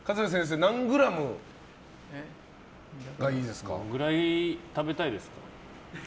どのぐらい食べたいですか。